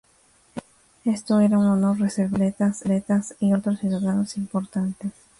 Esto era un honor reservado a atletas y otros ciudadanos importantes.